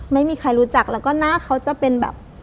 ไม่มีใครรู้จักแล้วก็หน้าเขาจะเป็นแบบ